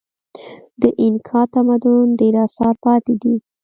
د اینکا تمدن ډېر اثار پاتې دي.